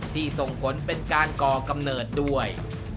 ส่งผลเป็นการก่อกำเนิดด้วย